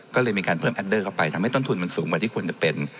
ก็เลยมีการเพิ่มแอดเดอร์เข้าไปทำให้ต้นทุนมันสูงกว่าที่ควรจะเป็น